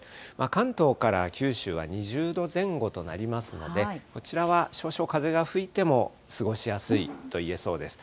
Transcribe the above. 関東から九州は２０度前後となりますので、こちらは少々風が吹いても過ごしやすいといえそうです。